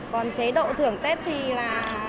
còn chế độ thưởng tết thì là